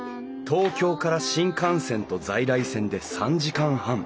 東京から新幹線と在来線で３時間半。